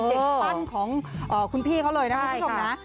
ปั้นของคุณพี่เขาเลยนะคุณผู้ชมนะ